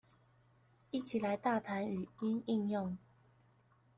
一起來大啖語音應用